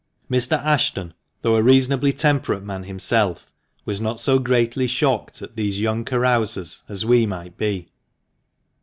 Mr. Ashton, though a reasonably temperate man himself, was not so greatly shocked at these young carousers as we might be.